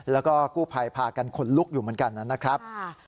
แล้วก็กู้ภัยพากันขนลุกอยู่เหมือนกันนะครับ